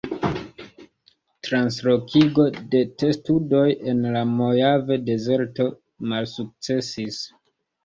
Translokigo de testudoj en la Mojave-Dezerto malsukcesis.